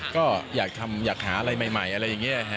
ก็อยากหาอะไรใหม่อะไรอย่างนี้